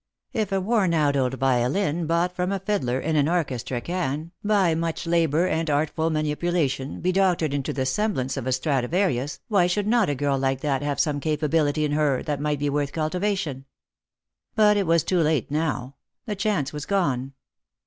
If a worn out old violin, bought from a fiddler in an orchestra, can, by much labour and artful manipulation, be doctored into the semblance of a Straduarius, why should not a girl like that have some capability in her that might be worth cultivation ? But it was too late now ; the chance was gone.